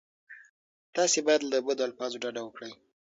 تاسې باید له بدو الفاظو ډډه وکړئ.